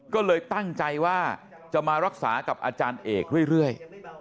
ก็เลยตั้งใจว่าจะมารักษากับอาจารย์เอกเรื่อย